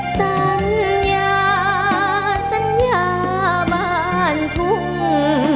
สัญญาสัญญาบ้านทุ่ง